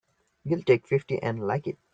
You'll take fifty and like it!